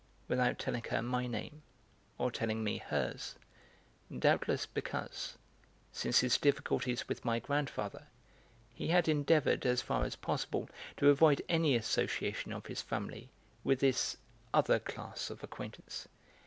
without telling her my name or telling me hers, doubtless because, since his difficulties with my grandfather, he had endeavoured as far as possible to avoid any association of his family with this other class of acquaintance.